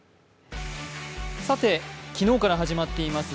昨日から始まっています